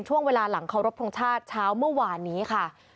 ช่วงเวลาหลังเคารพทงชาติเช้าเมื่อวานนี้ค่ะ